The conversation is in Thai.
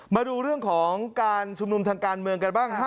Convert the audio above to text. มาดูเรื่องของการชุมนุมทางการเมืองกันบ้าง